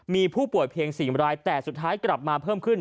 มีผู้ป่วยเพียง๔รายแต่สุดท้ายกลับมาเพิ่มขึ้น